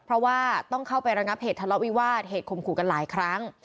เพราะว่าต้องเข้าไประงับเหตุทะเลาะวิวาสเหตุข่มขู่กันหลายครั้ง